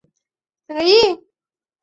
另有说法他是景文王庶子。